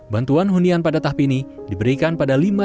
bantuan hunian pada tahp ini diberikan pada lima ratus penerima